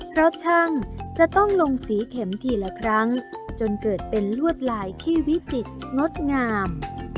เพราะช่างจะต้องลงสีเข็มทีละครั้งจนเกิดเป็นลวดลายที่วิจิตรงดงาม